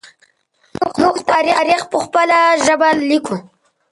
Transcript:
موږ خپل تاریخ په خپله ژبه لیکو.